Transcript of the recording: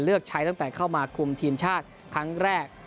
เลือกใช้ตั้งแต่เข้ามาคุมทีมชาติครั้งแรก